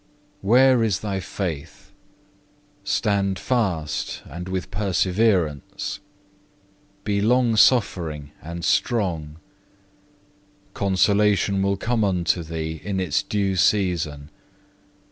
Where is thy faith? Stand fast and with perseverance. Be long suffering and strong. Consolation will come unto thee in its due season.